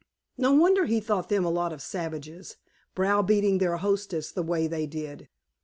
No wonder he thought them a lot of savages, browbeating their hostess the way they did.